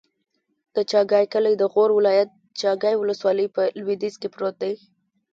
د چاګای کلی د غور ولایت، چاګای ولسوالي په لویدیځ کې پروت دی.